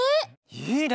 いいね！